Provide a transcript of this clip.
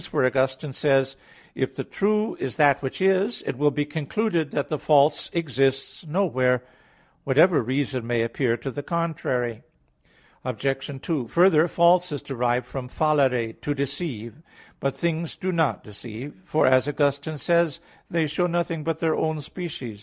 For Augustine says (Soliloq. ii, 8), "If the true is that which is, it will be concluded that the false exists nowhere; whatever reason may appear to the contrary." Obj. 2: Further, false is derived from fallere (to deceive). But things do not deceive; for, as Augustine says (De Vera Relig. 33), they show nothing but their own species.